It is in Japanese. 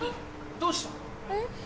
どうした？